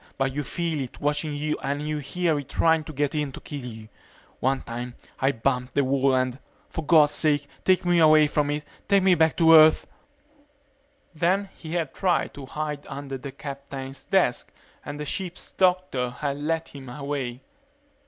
But you feel it watching you and you hear it trying to get in to kill you. One time I bumped the wall and for God's sake take me away from it take me back to Earth ..." Then he had tried to hide under the captain's desk and the ship's doctor had led him away.